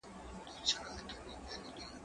زه به سبا کتابتون ته ځم،